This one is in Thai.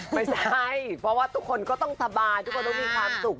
ไม่ใช่เพราะว่าทุกคนก็ต้องสบายทุกคนต้องมีความสุข